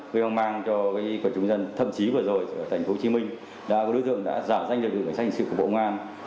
gây hoang mang cho cái của chúng dân thậm chí vừa rồi ở thành phố hồ chí minh đã có đối tượng đã giả danh lực lượng cảnh sát hình sự của bộ công an